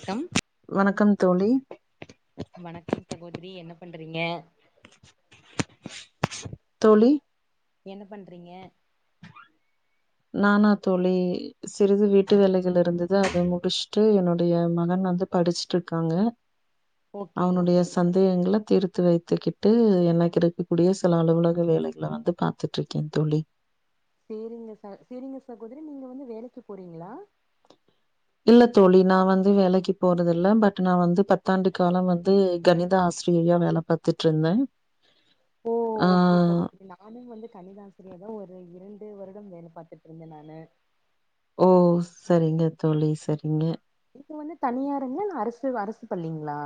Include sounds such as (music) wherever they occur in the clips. க்கம் வணக்கம் தோழி வணக்கம் சகோதரி என்ன பண்றீங்க தோழி என்ன பண்றீங்க நானா தோழி சிறிது வீட்டு வேலைகள் இருந்தது அதை முடிச்சுட்டு என்னுடைய மகன் வந்து படிச்சுட்டு இருக்காங்க ஓகே அவனுடைய ஓகே சந்தேகங்கள தீர்த்து வைத்துக்கிட் டு எனக்கு இருக்கக்கூடிய சில அலுவலக வேலைகள வந்து பாத்துட்டு இருக்கே தோழி சேரிங்க சா சேரிங்க சகோதரி நீங்க வந்து வேலைக்கு போறீங்களா இல்ல தோழி நா வந்து வேலைக்கு போறது இல்ல பட் நா வந்து பத்தாண்டு காலம் வந்து கணித ஆசிரியையா வேல பாத்துட்டு இருந்தே ஓ ஆ ஓகே சகோதரி நானு வந்து கணித ஆசிரியரா ஒரு இரண்டு வருடம் வேல பாத்துட்டு இருந்தே நானு ஓ சரிங்க தோழி சரிங்க இப்ப வந்து தனியாருங்கலா இல்ல அரசு அரசு பள்ளிங்ளா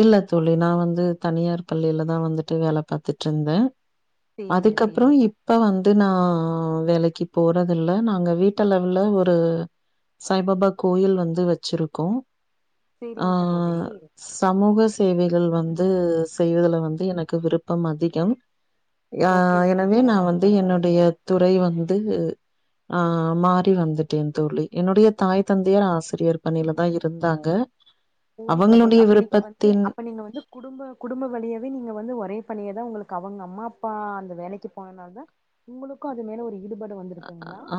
இல்ல தோழி நா வந்து தனியார் பள்ளியிலதா வந்துட்டு வேல பாத்துட்டு இருந்தே சேரிங்க அதுக்கப்றோ சேரிங்க இப் ப வந்து நா வேலைக்கி போறதில்ல நாங்க வீட்டுல உள்ள ஒரு சாய்பாபா கோயில் வந்து வச்சிருக்கோ ஆ சேரிங்க சகோதரி சமூக சேவைகள் வந்து செய்வதுல வந்து எனக்கு விருப்பம் அதிகம் ஆ ஓகே ஓகே எனவே நா பரவால்ல வந்து பரவால்லைங்க என்னுடைய துறை வந்து ஆ மாறி வந்துட்டேன் தோழி என்னுடைய தாய் தந்தையர் ஆசிரியர் பணியிலதா இருந்தாங்க ஓ சகோதரி அவங்களுடைய அப்ப நீங்க வந்து விருப்பத்தின் அப்ப நீங்க வந்து குடும்ப குடும்ப வழியாவே நீங்க வந்து ஒரே பணியதா உங்களுக்கு அவங்க அம்மா அப்பா அந்த வேலைக்கி போனனாலதா உங்களுக்கு அது மேல ஒரு ஈடுபடு வந் ஆ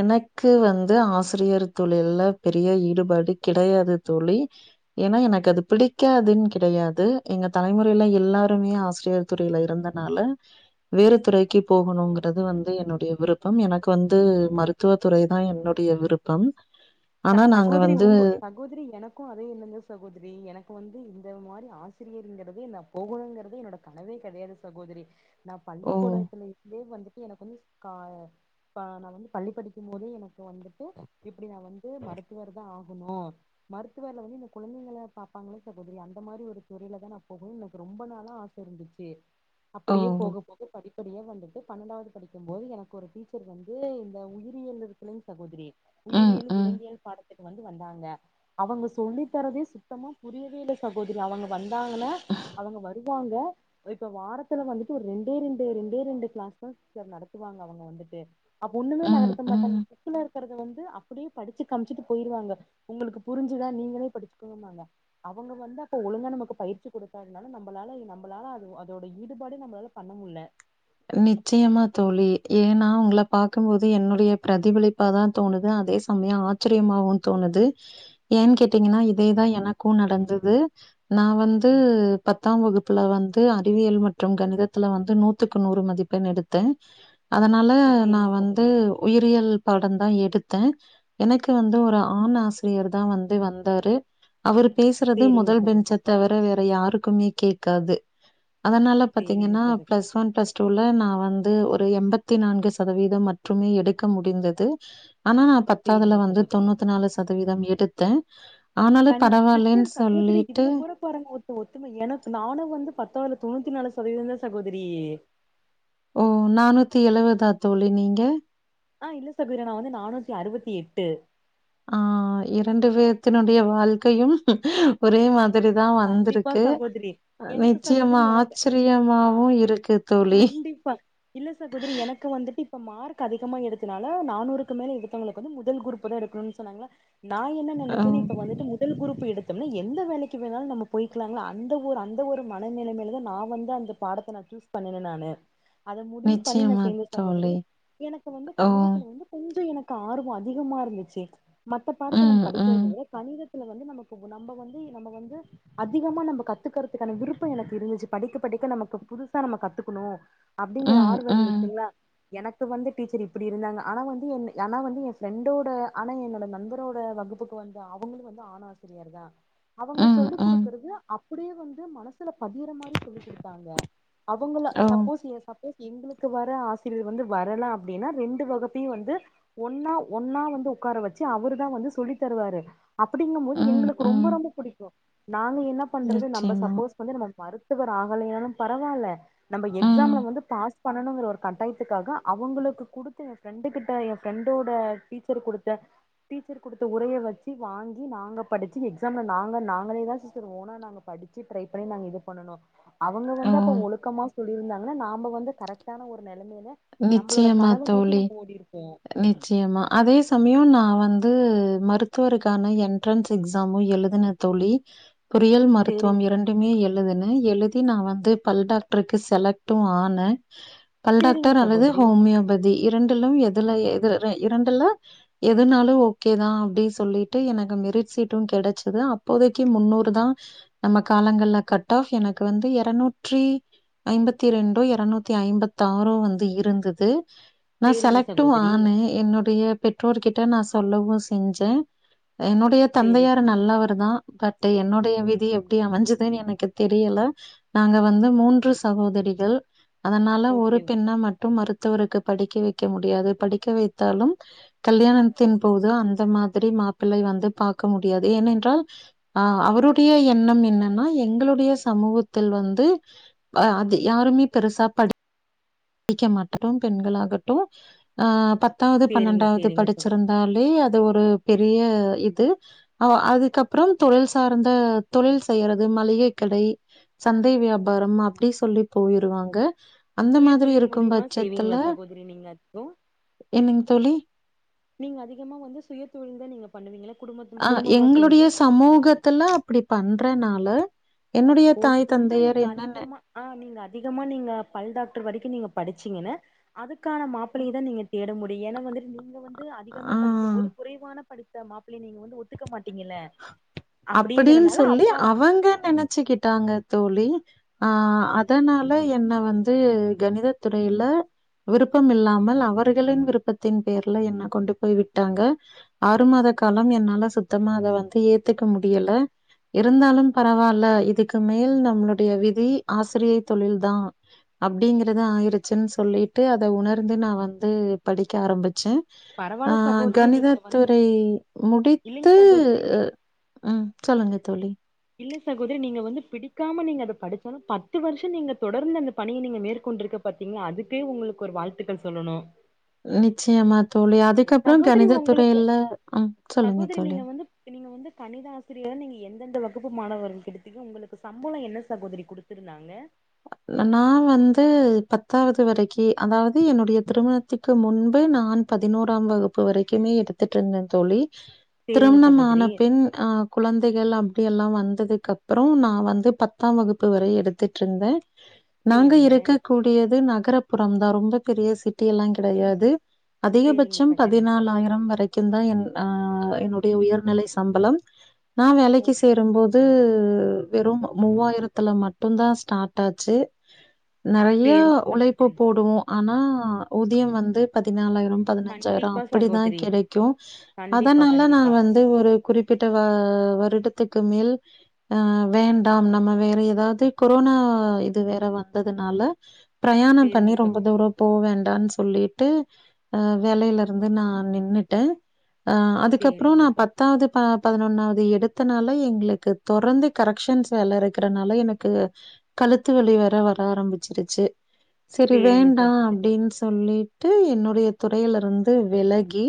எனக் கு வந்து ஆசிரியர் தொழில்ல பெரிய ஈடுபாடு கிடையாது தோழி ஏனா எனக்கு அது பிடிக்காதுன் கிடையாது எங்க தலைமுறைல எல்லாருமே ஆசிரியர் துறைல இருந்தனால வேறு துறைக்கு போகணுங்கிறது வந்து என்னுடைய விருப் பம் எனக்கு வந்து மருத்துவ துறைதா என்னுடைய விருப்பம் ச ஆனா நாங்க சகோதரி வந்து உங்க சகோதரி எனக்கு அதே எண்ணந்தா சகோதரி எனக்கு வந்து இந்த மாரி ஆசிரியருங்கிறதே நா போகணுங்கிறதே என்னோட கனவே கெடையாது சகோதரி நா ஓ! பள்ளிக்கூடத்துல இருந்தே வந்துட்டு எனக்கு வந்து கா பா நா வந்து பள்ளி படிக்கும் போதே எனக் போ வந்துட்டு இப்டி நா வந்து மருத்துவர்தா ஆகணு மருத்துவர்ல வந்து இந்த குழந்தைங்கள பாப்பாங்களே சகோதரி அந்த மாரி ஒரு துறைலதா நா போகணு எனக்கு ரொம்ப நாளா ஆ ச இருந்துச்சு ஓ! அப்படியே போக போக படிப் அப்படியே வந்துட்டு பன்னெண்டாவது படிக்கும்போது எனக்கு ஒரு டீச்சர் வந்து இந்த உயிரியல் இருக்குல்லங் சகோதரி ம், உயிரியல் ம், விலங்கியல் பாடத்துக்கு வந்து வந்தாங்க அவங்க சொல்லி தர்ரதே சுத்தமா புரியவே இல்ல சகோதரி அவங்க வந்தாங்கன்னா அவங்க வரும் வாங்க இப்ப வாரத்துல வந்துட்டு ஒரு ரெண்ட ரெண்டு ரெண்டே ரெண்டு கிளாஸ்தா சிஸ்டர் நடத்துவாங்க அவங்க வந்துட்டு அப்ப ஒண்ணுமே ம், நடத்த ம். மாட்டாங்க புக்குல இருக்கிறத வந்து அப்படியே படிச்சு காமிச்சுட்டு போயிருவாங்க உங்களுக்கு புரிஞ்சுதா நீங்களே படிச்சுக்கோங்கம்பாங்க அவங்க வந்து அப்ப ஒழுங்கா நமக்கு பயிற்சி கொடுக்காதுனால நம்மளால நம்பளால அது அதோட ஈடுபாடு நம்பளால பண்ணமுல நிச்சயமா தோழி ஏனா உங்கள பாக்கும்போது என்னுடைய பிரதிபலிப்பாதா தோணுது அதே சமயோ ஆச்சரியமாவு தோணுது ஏன் கேட்டீங்கன்னா இதேதா எனக்கு நடந்தது நா வந்து பத்தாம் வகுப்புல வந்து அறிவியல் மற்றும் கணிதத்துல வந்து நூத் துக்கு நூறு மதிப்பெண் எடுத்த அதனால நா சேரிங்க வந்து சகோதரி உயிரியல் பாடந் தா எடுத்த எனக்கு வந்து ஒரு ஆண் ஆசிரியர் தா வந்து வந்தாரு அவர் பேசுறது சேரிங்க முதல் சகோ பெஞ்ச தவிர வேற யாருக்குமே கேக்காது அதனால சேரிங்க பாத்தீங்கன்னா சகோ ப்ளஸ் ப்ளஸ் டூ ல நா வந்து ஒரு எம்பத்தி நான்கு சதவீதம் மட்டுமே எடுக்க முடிந்தது ஆனா நா பத்தாதுல சேரிங்க வந்து சகோதரி தொண்ணூத்து நாலு சதவீதம் எடுத்த ஆனாலு கண் பரவால்லன் சிஸ்டர் சகோதரி சொல்லிட்டு இதுல கூட பாருங்க ஒருத்த ஒத்தும எனக் நானு வந்து பத்தாவதுல தொண்ணூத்து நாலு சதவீதோ தா சகோதரி ஓ நானூத்தி எழுவதா தோழி நீங்க ஆ இல்ல சகோதரி நா வந்து நானூத்தி அறுவத்தி எட்டு ஆ இரண்டு பேத்தினுடைய வாழ்க்கையும் ஒரே மா திரிதா கண்டிப்பா வந்திருக்கு சகோதரி எனக்கு நிச்சயமா சகோதரி எனக்கு ஆ ஆச்சரியமாவு இருக்கு தோழி. கண்டிப்பா இல்ல சகோதரி எனக்கு வந்துட்டு இப்போ மார்க் அதிகமாக எடுத்தனால நானூறுக்கு மேலே எடுத்தவங்களுக்கு வந்து முதல் குருப்பு தா எடுக்கணுன்னு சொன்னாங்களா நான் என்ன ஓ! நெனைச்சேன்னு இப்ப வந்துட்டு முதல் குருப்பு எடுத்தோம்னா எந்த வேலைக்கு எப்டி வேணாலு நம்ம போய்கலாங்களா அந்த ஒரு அந்த ஒரு மனநிலைமையிலதா நா வந்து அந்த பாடத்த நா சூஸ் பண்ண நானு அத முடிவு பண்ணி நா நிச்சயமா சேர்ந்த சகோதரி தோழி. எனக்கு வந்து ஓ! கணிதத்துல வந்து கொஞ்சோ எனக்கு ஆர்வோ அதிகமா இருந்துச்சு மத்த பாடத்த நம்ம ம், படிக்கறத ம். விட கணித த்துல வந்து நமக்கு நம்ம வந்துயி நம்ம வந்து வ ந்து அதிகமா நம்ம கத்துக்குறதுக்கான விருப்போ எனக்கு இருந்துச்சு படிக்க படிக்க நமக்கு புதுசா நம்ம கத்துக்கணு அப்டிங்கற ம், ஆர்வோ ம். இருந்துச்சுங்களா எனக்கு வந்து டீச்சர் இப்டி இருந்தாங்க ஆனா வந்து என் ஆனா வந்து என் ஃப்ரெண்டோட ஆனா என்னோட நண்பரோட வகுப்புக் வந்து அவங்களு வந்து ஆணாசிரியர் தா அவங்க ம், சொல்லிக் ம். குடுக்குறது அப்டியே வந்து மனசு மனசுல பதிற மாரி சொல்லி் குடுத்தாங்க அவங்கள ஓ! சப்போஸ் எ சப் எங்களுக்கு வர ஆசிரியர் வந்து வரலா அப்டின்னா ரெண்டு வகுப்பையு வந்து ஒன்னா ஒன்னா வந்து உட்கார வச்சு அவரு தா வந்து சொல்லி தருவாரு அப்டிங்கு போது ம், எங்களுக்கு ரொம்ப ம். ரொம்ப புடிக்கு நாங்க என்ன பண்றது நம்ம நிச்சயமா. சப்போஸ் வந்து நம்ம மருத்துவர் ஆகலையினாலு பரவாயில்ல நம்ம ம். எக்ஸாம்ல வந்து பாஸ் பண்ணணுங்கிற ஒரு கட்டாயத்துக்காக அவங்களுக்கு குடுத்த என் ஃப்ரெண்டு கிட்ட என் ஃப்ரெண்டோட டீச்சர் குடுத்த டீச்சர் குடுத்த உரையை வச்சு வாங்கி நாங்க படிச்சு எக்ஸாம்ல நாங்க நா பண்ணிதா சிஸ்டர் ஓன்னா நாங்க படிச்சு டிரை பண்ணி நாங்க இது பண்ணுனோ அவங்க ஓ! வந்து அப்ப ஒழுக்கமா சொல்லிருந்தாங்கன்னா நாம வந்து கரெக்டான ஒரு நெலைமையில நம்மளோட நிச்சயமா கனவ நோக்கி தோழி. நம்ம ஓடிருப்போ நிச்சயமா அதே சமயோ நா வந்து மருத்துவருக்கான என்ட்ரன்ஸ் எக்ஸாமு எழுதுன தோழி பொறியியல் மருத்துவம் சேரிங்க இரண்டு ரெண்டுமே எழுதுன எழுதி நா வந்து பல் டாக்டருக்கு செலக்டு ஆனே செரிங்க சகோதிரி ஹோமியோபதி இரண்டுல்லும் எதுல எது ல இரண்டுல்ல எதுனாலு ஓகே தா அப்டி சொல்லிட்டு எனக்கு மெரிட் ஷீட்டு கெடச்சது அப்போதைக்கு முன்னூறு தா நம்ம காலங்கள்ல கட் ஆஃப் எனக்கு வந்து இரநூற்றி ஐம்பத்தி இரண்டோ இரநூத்தி ஐம்பத்தாறோ வந்து இருந்தது நா சேரிங்க செலக்டு சகோதரி ஆன என்னுடைய பெற்றோர்கிட்ட நா சொல்லவு செஞ்சே என்னுடைய சேரி தந்தையார் சரி நல்லவரு தா பட் என்னுடைய விதி எப்டி அமைஞ்சதுன்னு எனக்கு தெரியல நாங்க வந்து மூன்று சகோதரிகள் அதனால ஒரு ஓகே பெண்ணா மட் டும் மருத்துவருக்கு படிக்க வைக்க முடியாது படிக்க வைத்தாலும் கல்யாணத்தின் போது அந்த மாதிரி மாப்பிள்ளை வந்து பாக்க முடியாது ஏனென்றால் அ அவருடைய எண்ணம் என்னன்னா எங்களுடைய சமூகத்தில் வந்து அ அது யாருமே பெருசா படி படிக்க மாட் மட்டும் பெண்களாகட்டும் அ பத்தாவது சேரிங்க பன்னெண்டாவது சேரிங்க சகோ படிச்சிருந் தனாலே அது ஒரு பெரிய இது அ அதுக்கப்புறம் தொழில் சார்ந்த தொழில் செய்யறது மளிகை கடை சந்தை வியாபாரம் அப்டி சொல்லி போயிருவாங்க அந்த மாதிரி இருக் ஊழியமா செய்வீங்களா சகோதரி நீங்க அப்போ என்னங்க தோழி? நீங்க அதிகமா வந்து சுய தொழில் தா நீங்க பண்ணுவீங்களா குடும்பத் அ குடும்பமா சேந்து எங்களுடைய சமூகத்துல அப்டி பண்றனால என்னுடைய ஓ தாய் நீங்க வந்து தந்தையர் நீங்க என்ன நெ அதிகமா ஆ நீங்க அதிகமா நீங்க பல் டாக்டர் வரைக்கு நீங்க படிச்சீங்கன்னு அதுக்கான மாப்பிளைய தா நீங்க தேட முடியு ஏன்னா வந்துட்டு நீங்க வந்து அதிகமா ஆ. படிக்கும் போது குறைவான படித்த மாப்பிள்ளை நீங்க வந்து ஒத்துக்க மாட்டீங்கள அப்படின் சொல்லி அவுங்க நெனச்சுக்கிட் ட்டாங்க தோழி ஆ அ அதனால என்ன வந்து கணித துறையில விருப்பம் இல்லாமல் அவர்களின் விருப்பத்தின் பேர்ல என்ன கொண்டு போய் விட்டாங்க ஆறு மாத காலம் என்னால சுத்தமா அத வந்து ஏத்துக்க முடியல இருந்தாலும் பரவாயில்ல இதுக்கு மேல் நம்மளுடைய விதி ஆசிரியை தொழில் தா அப்படிங்கறத ஆயிருச்சுன் சொல்லிட்டு அத உணர்ந்து நா வந்து படிக்க ஆரம்பிச்சே ஆ பரவால்ல சகோதரி கணித நீங்க வந்து துறை இல்லைங்க முடித்து சகோதரி நீ உம் சொல்லுங்க தோழி இல்ல சகோதரி நீங்க வந்து பிடிக்காம நீங்க அத படிச்சாலு பத்து வருஷம் நீங்க தொடர்ந்து அந்த பணிய நீங்க மேற்கொண்டிருக்க பட்டிங்க அதுக்கே உங்களுக்கு ஒரு வாழ்த்துக்கள் சொல்லணு நிச்சயமா தோழி அதுக்கப்புறம் சகோதரி கணித உங்களுக்கு துறையில ஆம் சொல்லுங்க தோழி இப்ப நீங்க வந்து கணிதாசிரியரா நீங்க எந்தெந்த வகு ப்பு மாணவர்களுக்கு எடுத்தீங்க உங்களுக்கு சம்பளம் என்ன சகோதரி குடுத்துருந்தாங்க நா வந்து பத்தாவது வரைக்கி அதாவது என்னுடைய திருமண த்துக்கு முன்பு நான் பதினோராம் வகுப்பு வரைக்குமே எடுத்துட்டு இருந்தே தோழி சேரிங்க சகோதரி திருமணமான பின் அ குழந்தைகள் அப்படி எல்லா வந்ததுக்கு அப்புற நா வந்து பத்தாம் வகுப்பு வரை எடுத்துட்டு இருந்தே நாங்க சேரிங்க இருக்க கூடியது நகர்புறம் தா ரொம்ப பெரிய சிட்டி எல்லா கிடையாது சேரிங்க அதிகபட்சம் சகோதரி பதினாலாயிரம் வரை க்கு தா ஆ என்னுடைய உயர்நிலை சம்பளம் நா ஓ வேலைக்கு சேரும்போது து வெறும் மூவாயிரத்துல மட்டுந்தா ஸ்டார்ட் ஆச்சு நிறைய சேரிங்க உழைப்பு சகோதரி போடுவோ ஆனா ஊதியம் வந்து பதினாலாயிரம் பதினஞ்சாயிரம் கண்டிப்பா அப்படிதா சகோதரி கிடைக்கு கண்டிப்பா அதனால நா கண்டிப்பா வந் து ஒரு குறிப்பிட்ட வரு வருடத்துக்கு மேல் ஆ வேண்டாம் நம்ம வேற ஏதாவது கோ கொரோனா இது வேற வந்ததுனால பிரயாணம் பண்ணி சேரிங்க ரொம்ப சகோதரி தூரம் போ வேண்டான்னு சொல்லிட்டு அ வேலையில இருந்து நா நின்னுட்டே அ அதுக்கப்புறம் சேரிங்க நா ச பத்தாவது ப பதினொன்னாவது எடுத்தனால எங்களுக்கு தொடர்ந்து கரெக்க்ஷன்ஸ் வேல இருக்கிறனால எனக்கு கழுத்து வலி வேற வர ஆரம்பிச்சிருச்சு சரி சேரிங்க வேண்டா சகோதரி அப்படின் சொல்லிட்டு என்னுடைய துறையில இருந்து விலகி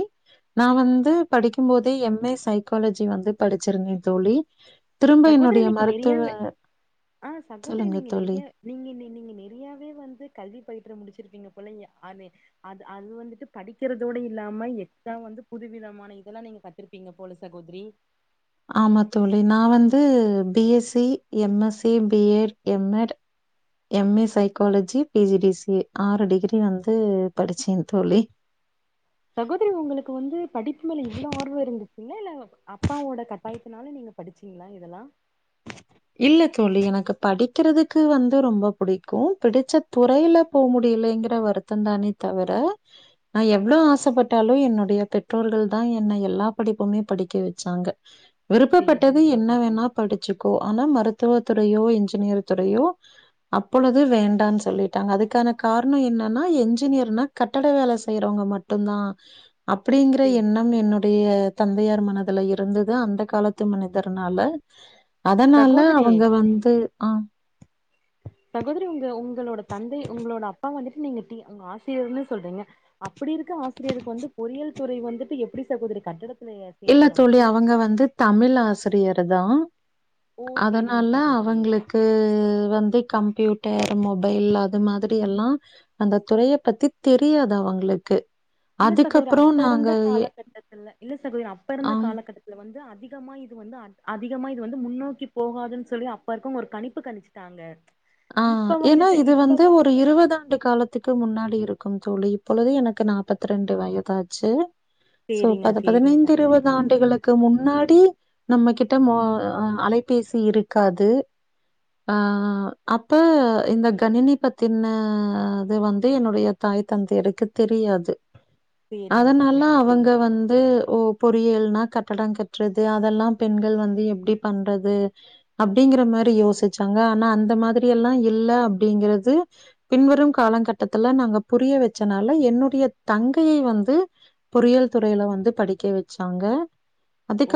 நா வந்து படிக்கும் போதே எம் ஏ சைக்காலஜி வந்து படிச்சிருந்தேன் தோழி திரும்ப சகோதரி என்னுடைய நீங்க மருத்துவ நெறையாவே ஆ சகோதரி சொல்லுங்க நீங்க தோழி. நெறயா நீங்கள் நீ நீங்கள் நெறயாவே வந்து கல்வி (unintelligible) முடிச்சிருப்பீங்க போல இங்க அ அது அது வந்துட்டு படிக்கிறதோட இல்லாம எக்ஸாம் வந்து புதுவிதமான இதெல்லா நீங்க கத்துரு மாட்டீங்க போல சகோதரி ஆமா தோழி நா வந்து B S C, M S C, B Ed, M Ed M A psychology P G D C A ஆறு டிகிரி நா வந்து படிச்சே தோழி சகோதரி உங்களுக்கு வந்து படிப்பு மேல இவ்ளோ ஆர்வோ இருந்து இல்ல இல்ல அப்பாவோட கட்டாயத்தினால நீங்க படிச்சீங்களா இதெல்லா இல்ல தோழி எனக்கு படிக்கிறதுக்கு வந்து ரொம்ப புடிக்கு பிடிச்ச துறையில போ முடியலைங்கற வருத்தோ தானே தவிர நா எவ்ளோ ஆசப்பட்டாலு என்னுடைய பெற்றோர்கள் தா என்ன எல்லா படிப்புமே படிக்க வெச்சாங்க விருப்பப்பட்டது சேரிங்க என்ன சகோதரி. வேணாப் படிச்சுக்கோ ஆனா மருத்துவ துறையோ இன்ஜினியர் துறையோ அப்பொழுது வேண்டான் சொல்லிட்டாங்க அதுக்கான காரணோ என்னன்னா என்ஜினியர்னா கட்டட வேல செய்யறவங்க மட் டும்தா அப்படிங்கற சே என்ன னம் என்னுடைய தந்தையார் மனதுல இருந்துது அந்த காலத்து மனிதருனால அதனால சகோதரி அவங்க வந்து ஆம் சகோதரி உங்க உங்களோட தந்தை உங்களோட அப்பா வந்துட்டு நீங்க டீ உங்க ஆசியர்ன்னு சொல்றீங்க அப்படி இருக்க ஆசிரியருக்கு வந்து பொறியல் துறை வந்துட்டு எப்படி சகோதரி கட்டிடத்துலயே இல்ல தோழி அவங்க வந்து தமிழ் ஆசிரியர் தா ஓ சேரிங்க அதனால சகோதரி. அவங்களுக் கு வந்து கம்ப்யூட்டர் மொபைல் அது மாதிரி எல்லா அந்த துறைய பத்தி தெரியாது அவங்களுக்கு இல்ல சகோதரி அதுக்கப்புறம் அப்ப நாங்க இருந்த எ காலகட்டத்துல இல்ல சகோதரி அப்ப இருந்த ஆம். காலகட்டத் துல வந்து அதிகமா இது வந்து அத் அதிகமா இது வந்து முன்னோக்கி போகாதுன்னு சொல்லி அப்பருக்கவங்க ஒரு கணிப்பு கணிச்சு டாங்க ஆ ஏன்னா இது வந்து ஒரு இருவது ஆண்டு காலத் த்துக்கு முன்னாடி இருக்கும் தோழி இப்பொழுது எனக்கு நாப்பத்ரெண்டு வயதாச்சு சோ சேரிங்க பது சேரிங்க பதினைந்து சகோதரி இருபது ஆண்டுகளுக் கு முன்னாடி நம்ம கிட்ட மொ அ அலைபேசி இருக்காது ஆ ஆ அப்ப இந்த கணினி பத்தின அது வந்து என்னுடைய தாய் தந்தையருக்கு தெரியாது சேரிங்க அதனால சகோதரி அவங்க சேரிங்க வந்து ஓப் பொறியியல்னா கட்டடோ கட்றது அதெல்லா பெண்கள் வந்து எப்டி பண்றது அப்டிங்கிற மாரி யோசிச்சாங்க ஆனா அந்த மாதிரி எல்லா இல்ல அப்டிங்கறது பின்வரும் காலங் கட்டத்துல நாங்க புரிய வச்சனால என்னுடைய தங்கையை வந்து பொறியியல் துறையில வந்து படிக்க வச்சாங்க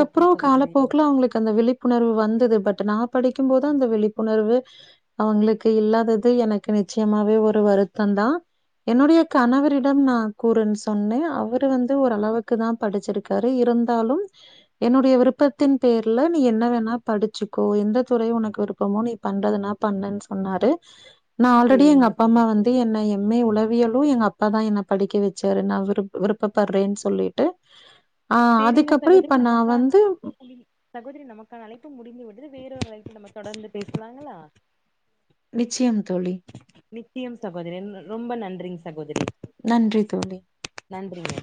ஓகே சகோதரி காலப்போக்குல அவங்களுக்கு அந்த விழிப் புணர்வு வந்தது பட் நா படிக்கு போது அந்த விழிப்புணர்வு அவங்களுக்கு இல்லாதது எனக்கு நிச்சயமாவே ஒரு வருத்தோ தா என்னுடைய கணவரிடம் நா கூறன்னு சொன்னே அவரு வந்து ஓரளவுக்கு தாப் படிச்சிருக்காரு இருந்தாலும் என்னுடைய விருப்பத்தின் பேர்ல நீ என்ன வேணா படிச்சுக்கோ எந்த துறை உனக்கு விருப்பமோ நீ பண்றதுனாப் பண்ணுன் சொன்னாரு நா ஆல்ரெடி எங்க சேரிங்க அப்பா அம்மா சகோதரி வந்து என்ன எம் ஏ உலவ் வியலு எங்க அப்ப தா என்ன படிக்க வச்சாரு நா விருப் விருப்பப்படுறேன்னு சொல்லிட்டு ஆ சேரிங்க அதுக்கப்பறோ சகோதரி இப்ப நா நமக்கான வந்து அழைப்பு முடி சகோதரி நமக்கான அழைப்பு முடிந்து விடுது வேறொரு ஒரு அழைப்புல நம்ம தொடர்ந்து பேசலாங்களா நிச்சியம் தோழி நித்தியம் சகோதரி (inaudible) ரொம்ப நன்றிங் சகோதரி நன்றி தோழி நன்றிங்க